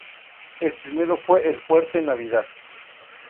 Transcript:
El primero fue el Fuerte Navidad.